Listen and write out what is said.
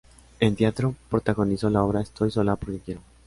En teatro protagonizó la obra "Estoy sola porque quiero".